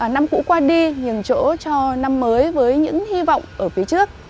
năm cũ qua đi nhường chỗ cho năm mới với những hy vọng ở phía trước